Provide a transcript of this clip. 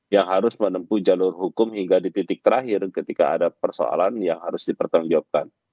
yang harus menempuh jalur hukum hingga di titik terakhir ketika ada persoalan yang harus dipertanggungjawabkan